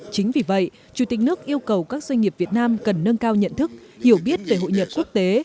chính vì vậy chủ tịch nước yêu cầu các doanh nghiệp việt nam cần nâng cao nhận thức hiểu biết về hội nhập quốc tế